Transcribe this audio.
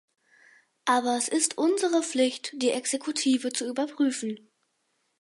Aber es ist unsere Pflicht, die Exekutive zu überprüfen.